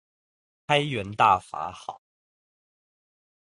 開源大法好